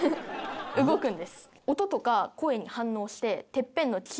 動くんです。